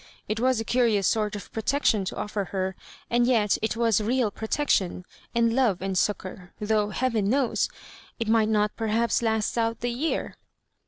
It was a curious sort of protection to offer her, and yet it was real protection, and love and suo .dour, though, heaven knows 1 it might not per haps last out the year.